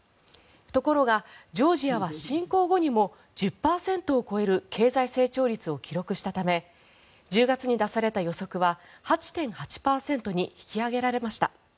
ところがジョージアは侵攻後にも１０％を超える経済成長率を記録したため１０月に出された予測は８．８％に引き上げられました。